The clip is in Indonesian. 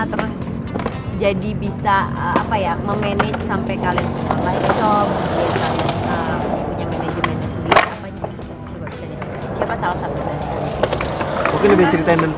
terus jadi bisa apa ya memanage sampai kalian sudah setelah isop punya management